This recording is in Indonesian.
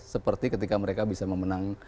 seperti ketika mereka bisa memenang